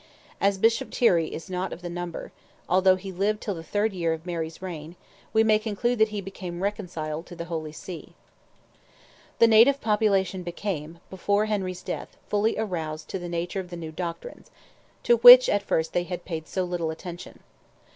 As Bishop Tirrey is not of the number—although he lived till the third year of Mary's reign—we may conclude that he became reconciled to the Holy See. The native population became, before Henry's death, fully aroused to the nature of the new doctrines, to which at first they had paid so little attention.